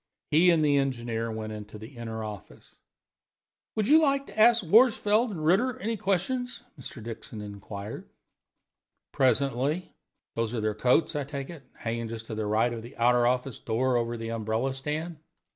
He and the engineer went into the inner office. "Would you like to ask Worsfold and Ritter any questions?" Mr. Dixon inquired. "Presently. Those are their coats, I take it, hanging just to the right of the outer office door, over the umbrella stand?"